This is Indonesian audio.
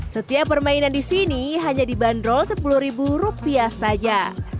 setiap permainan di sini hanya dibanderol sepuluh ribu rupiah saja